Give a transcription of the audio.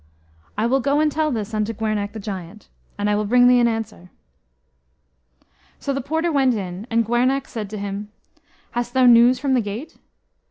"I will go and tell this unto Gwernach the Giant, and I will bring thee an answer." So the porter went in, and Gwernach said to him, "Hast thou news from the gate?"